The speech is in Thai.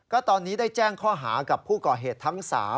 ก็ตอนนี้ได้แจ้งข้อหากับผู้ก่อเหตุทั้ง๓